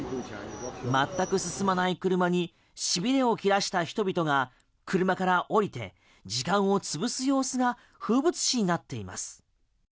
全く進まない車にしびれを切らした人々が車から降りて時間を潰す様子が風物詩になっています。